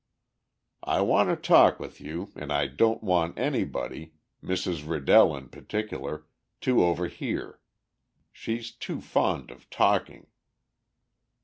"I want to talk with you, and I don't want anybody, Mrs. Riddell in particular, to overhear. She's too fond of talking."